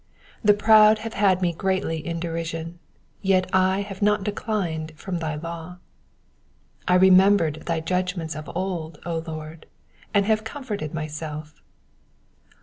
51 The proud have had me greatly in derision : yet have I not declined from thy law. 52 I remembered thy judgments of old, O Lord ; and have comforted myself.